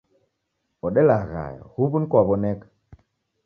Odelaghaya huw'u niko waw'oneka